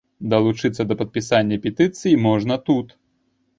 Далучыцца да падпісання петыцыі можна тут.